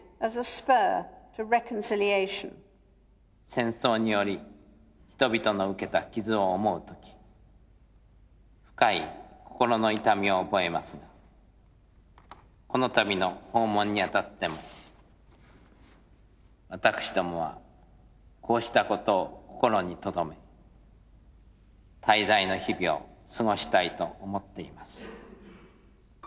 戦争により、人々の受けた傷を思うとき、深い心の痛みを覚えますが、このたびの訪問にあたっても、私どもはこうしたことを心にとどめ、滞在の日々を過ごしたいと思っています。